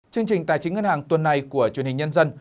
chương trình tài chính ngân hàng tuần này của truyền hình nhân dân